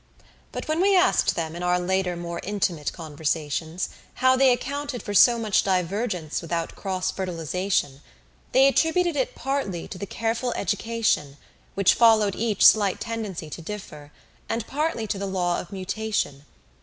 But when we asked them, in our later, more intimate conversations, how they accounted for so much divergence without cross fertilization, they attributed it partly to the careful education, which followed each slight tendency to differ, and partly to the law of mutation.